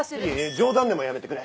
冗談でもやめてくれ。